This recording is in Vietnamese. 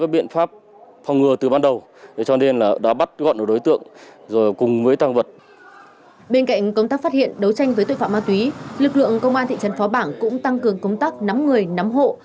bên cạnh công tác phát hiện đấu tranh với tội phạm ma túy lực lượng công an thị trấn phó bảng cũng tăng cường công tác nắm người nắm hộ